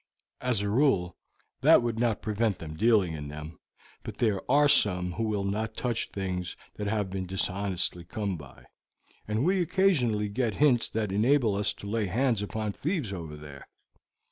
As a rule, that would not prevent their dealing in them, but there are some who will not touch things that have been dishonestly come by, and we occasionally get hints that enable us to lay hands upon thieves over there."